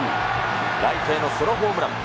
ライトへのソロホームラン。